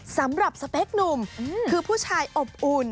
สำหรับสเปคหนุ่มคือผู้ชายอบอุ่น